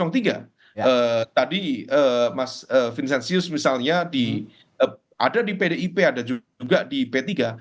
tadi mas vincentius misalnya ada di pdip ada juga di ptb